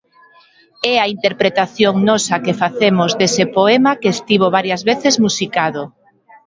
É a interpretación nosa que facemos dese poema que estivo varias veces musicado.